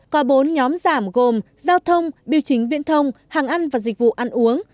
có bốn nhóm giảm gồm giao thông biểu chính viễn thông hàng ăn và dịch vụ ăn uống